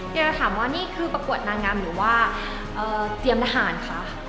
จะถามว่านี่คือประกวดนางงามหรือว่าเตรียมทหารคะ